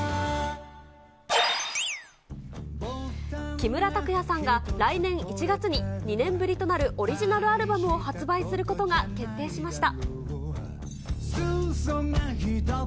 木村拓哉さんが来年１月に、２年ぶりとなるオリジナルアルバムを発売することが決定しました。